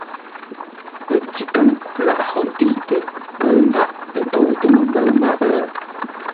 Pətíkáŋ laghʼ hó ntəitə́, kəʉ ndághʼ ntóutə məmbəʉ máp ?